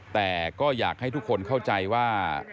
แต่ก็อยากให้ทุกคนเข้าใจว่า